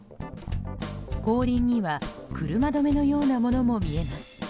後輪には車止めのようなものも見えます。